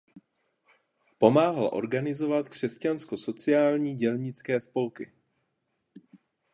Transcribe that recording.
Pomáhal organizovat křesťansko sociální dělnické spolky.